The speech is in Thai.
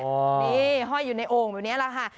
นี่ห้อยอยู่ในโอ่งแบบนี้แหละค่ะ